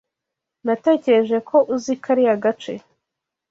Natekereje ko uzi kariya gace.